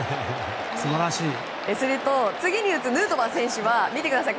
すると次に打つヌートバー選手が見てください